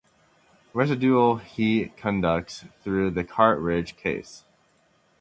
Residual heat conducts through the cartridge case.